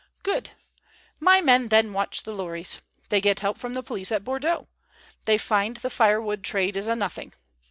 "Good. My men then watch the lorries. They get help from the police at Bordeaux. They find the firewood trade is a nothing."